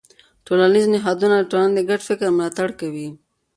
ټولنیز نهادونه د ټولنې د ګډ فکر ملاتړ کوي.